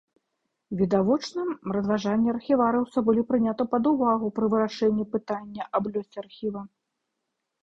Відавочна, разважанні архіварыуса былі прыняты пад увагу пры вырашэнні пытання аб лёсе архіва.